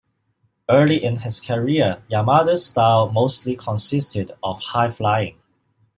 Early in his career, Yamada's style mostly consisted of high flying.